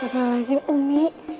padahal lazim umi